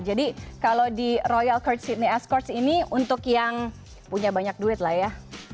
jadi kalau di royal courts sydney escorts ini untuk yang punya banyak duit lah ya